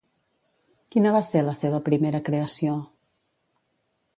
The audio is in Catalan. Quina va ser la seva primera creació?